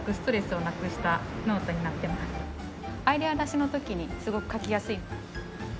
アイデア出しの時にすごく書きやすい。